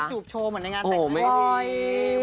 อันนี้ก็จะมีจูบโชว์เหมือนในงานแต่งงาน